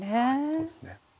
そうですね。